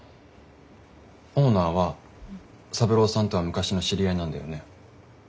オーナーは三郎さんとは昔の知り合いなんだよね？